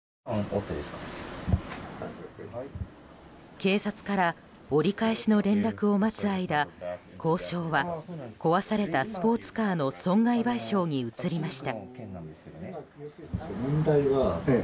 警察から折り返しの連絡を待つ間交渉は壊されたスポーツカーの損害賠償に移りました。